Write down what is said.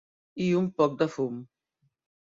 I un poc de fum.